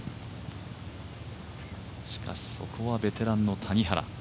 しかしそこはベテランの谷原。